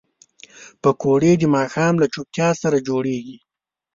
پکورې د ماښام له چوپتیا سره جوړېږي